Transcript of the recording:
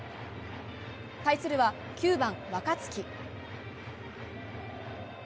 対するは９番、若月。